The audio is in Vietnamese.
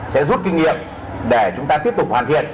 sẽ rút kinh nghiệm để chúng ta tiếp tục hoàn thiện